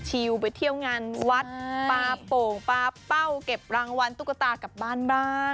ไปเที่ยวงานวัดปลาโป่งปลาเป้าเก็บรางวัลตุ๊กตากลับบ้านบ้าง